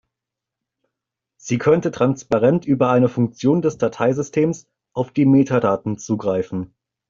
Sie könnte transparent über eine Funktion des Dateisystems auf die Metadaten zugreifen.